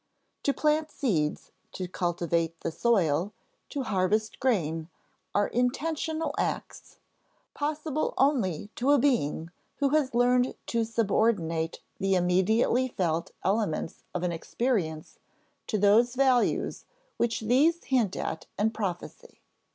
To plant seeds, to cultivate the soil, to harvest grain, are intentional acts, possible only to a being who has learned to subordinate the immediately felt elements of an experience to those values which these hint at and prophesy.